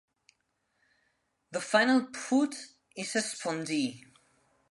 The final foot is a spondee.